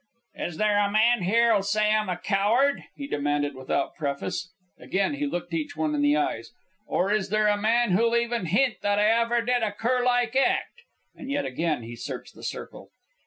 "Is there a man here'll say I'm a coward?" he demanded without preface. Again he looked each one in the eyes. "Or is there a man who'll even hint that I ever did a curlike act?" And yet again he searched the circle.